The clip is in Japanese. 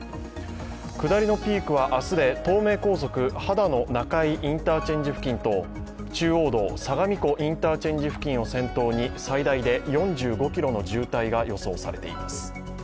下りのピークは明日で東名高速・秦野中井インターチェンジ付近と中央道・相模湖インターチェンジ付近を先頭に最大で４５ｋｍの渋滞が予想されています。